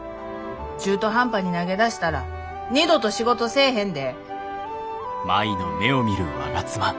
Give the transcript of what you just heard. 中途半端に投げ出したら二度と仕事せえへんで。